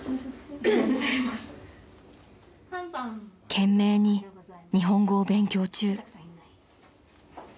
［懸命に日本語を勉強中］